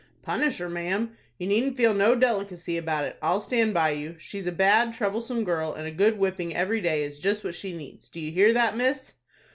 "Punish her, ma'am. You needn't feel no delicacy about it. I'll stand by you. She's a bad, troublesome girl, and a good whipping every day is just what she needs. Do you hear that, miss?"